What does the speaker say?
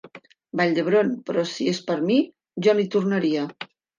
Vall d'Hebron, però si és per mi, jo no hi tornaria.